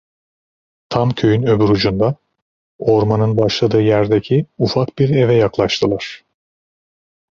Tam köyün öbür ucunda, ormanın başladığı yerdeki ufak bir eve yaklaştılar.